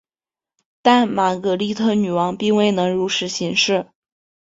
但玛格丽特女王并未能如实行事。